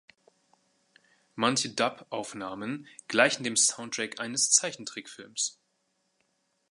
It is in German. Manche Dub-Aufnahmen gleichen dem Soundtrack eines Zeichentrickfilms.